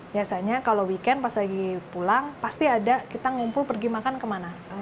biasanya kalau weekend pas lagi pulang pasti ada kita ngumpul pergi makan kemana